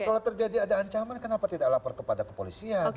kalau terjadi ada ancaman kenapa tidak lapor kepada kepolisian